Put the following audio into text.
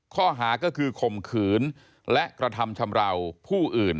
ข้อหาก็คือข่มขืนและกระทำชำราวผู้อื่น